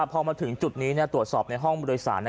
พอมาถึงจุดนี้ตรวจสอบในห้องโดยสาร